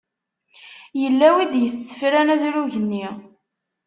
Yella wi d-yessefran adrug-nni?